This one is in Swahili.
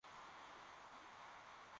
hii ni dalili ya watu kuwa tayari kwa